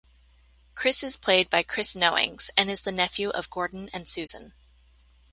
Chris is played by Chris Knowings, and is the nephew of Gordon and Susan.